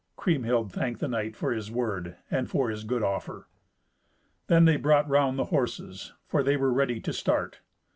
Kriemhild thanked the knight for his word and for his good offer. Then they brought round the horses, for they were ready to start.